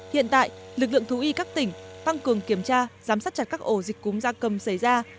hiện tại lực lượng thú y các tỉnh tăng cường kiểm tra giám sát chặt các ổ dịch cúm gia cầm xảy ra